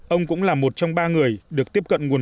ông cũng là một trong ba người được tiếp cận nguồn